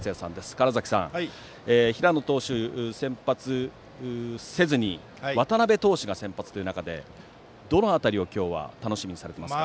川原崎さん平野投手が先発せずに渡邉投手が先発という中でどの辺りを今日は楽しみにされていますか？